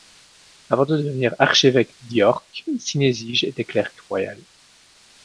Avant de devenir archevêque d'York, Cynesige était clerc royal.